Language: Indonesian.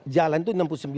jalan itu enam puluh sembilan